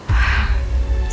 aku nanya kak dan rena